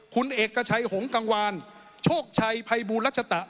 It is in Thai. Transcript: คุณเอกชัยหงกังวานโชคชัยภัยบูลรัชตะ